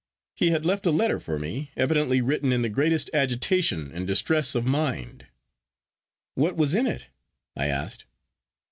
He had left a letter for me, evidently written in the greatest agitation and distress of mind.' 'What was in it?' I asked.